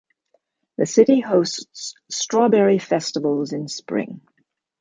The city hosts strawberry festivals in spring.